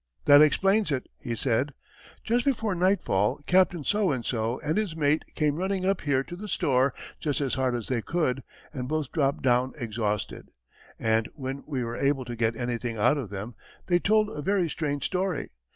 "That explains it," he said; "just before nightfall, Captain So and So and his mate came running up here to the store just as hard as they could, and both dropped down exhausted, and when we were able to get anything out of them, they told a very strange story.